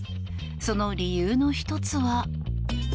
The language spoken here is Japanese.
その理由の１つは。